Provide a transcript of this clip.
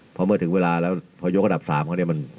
เพราะเมื่อถึงเวลาแล้วพอยกระดับ๓เขาเนี่ย